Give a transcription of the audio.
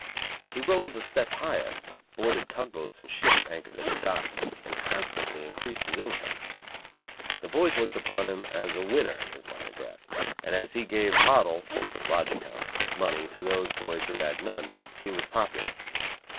He rose a step higher, boarded tug boats and ships anchored at the docks, and constantly increased his income. The boys looked upon him as a winner in his line of graft, and as he gave "hot'l" (lodging house) money to those boys who had none, he was popular.